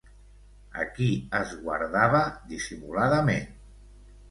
A qui esguardava, dissimuladament?